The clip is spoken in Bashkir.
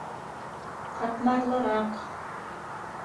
Ҡатмарлыраҡ...